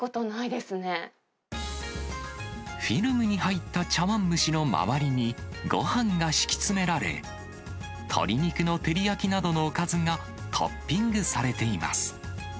フィルムに入った茶わん蒸しの周りに、ごはんが敷き詰められ、鶏肉の照り焼きなどのおかずがトッピングされています。